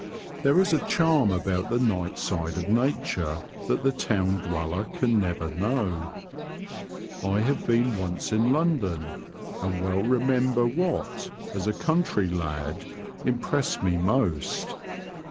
There is a charm about the night side of nature that the town dweller can never know. I 20 The Confessions of a T^oacher. have been once in London, and well re member what, as a country lad, impressed me most.